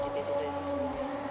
di tccs sebelumnya